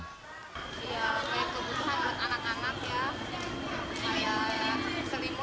ya saya kebutuhan anak anak ya